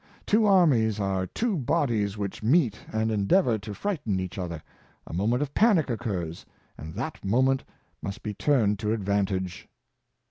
Two armies are two bodies which meet and endeavor to frighten each other; a moment of panic occurs, and that moment must be turned to advantage."